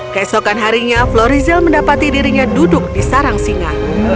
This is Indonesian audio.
keesokan harinya florizel mendapati dirinya duduk di sarang singa